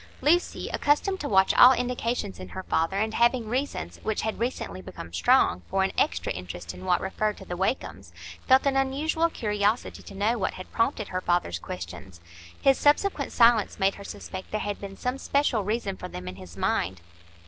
Lucy, accustomed to watch all indications in her father, and having reasons, which had recently become strong, for an extra interest in what referred to the Wakems, felt an unusual curiosity to know what had prompted her father's questions. His subsequent silence made her suspect there had been some special reason for them in his mind.